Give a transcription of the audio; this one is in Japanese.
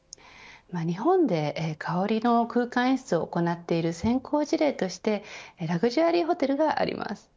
日本で香りの空間を演出を行っている先行事例としてラグジュアリーホテルがあります。